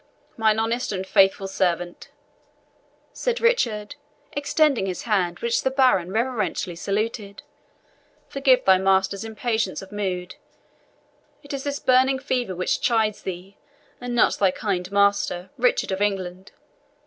"Mine honest faithful servant," said Richard, extending his hand, which the baron reverentially saluted, "forgive thy master's impatience of mood. It is this burning fever which chides thee, and not thy kind master, Richard of England.